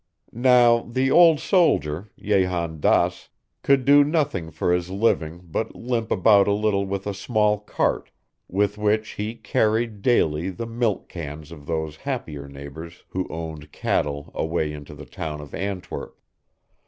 Now, the old soldier, Jehan Daas, could do nothing for his living but limp about a little with a small cart, with which he carried daily the milk cans of those happier neighbors who owned cattle away into the town of Antwerp.